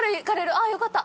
ああ、よかった。